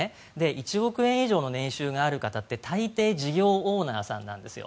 １億円以上の年収がある方って大抵事業オーナーさんなんですよ。